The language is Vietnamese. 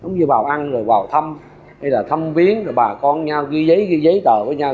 giống như vào ăn rồi vào thăm hay là thăm viến rồi bà con nhau ghi giấy ghi giấy tờ với nhau